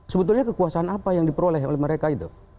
sebetulnya kekuasaan apa yang diperoleh oleh mereka itu